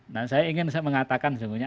nah saya ingin saya mengatakan sesungguhnya